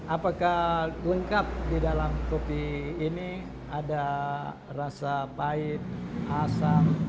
apakah lengkap di dalam kopi ini ada rasa pahit asam